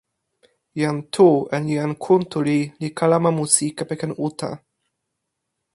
jan Tu en jan Kuntuli li kalama musi kepeken uta.